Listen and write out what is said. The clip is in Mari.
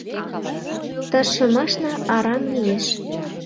«Тыршымашна арам лиеш.